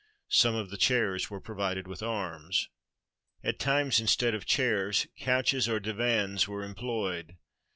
Some of the chairs were provided with arms. At times, instead of chairs, couches or divans were employed.